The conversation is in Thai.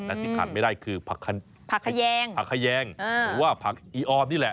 แต่ที่ขาดไม่ได้คือผักแยงผักขยงหรือว่าผักอีออมนี่แหละ